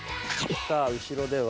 さあ後ろでは。